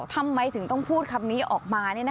ทำไมถึงต้องพูดคำนี้ออกมา